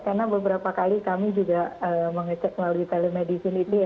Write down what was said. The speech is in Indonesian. karena beberapa kali kami juga mengecek melalui telemedicine ini